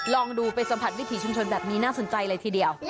ลองดูไปสัมผัสวิถีชุมชนแบบนี้น่าสนใจเลยทีเดียว